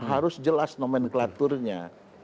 harus jelas nomenklaturnya